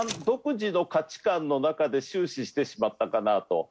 独自の価値観の中で終始してしまったかなと。